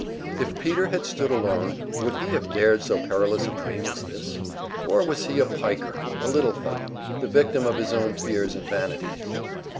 If Peter had stood alone, would he have dared so perilous a dream as this? Or was he a "piker"; a little fellow, the victim of his own fears and vanities?